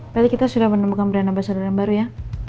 berarti kita sudah menemukan beranabasar dari yang baru ya